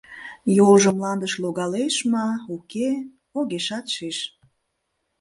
Йолжо мландыш логалеш ма, уке — огешат шиж.